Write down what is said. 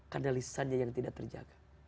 karena lisanya yang tidak terjaga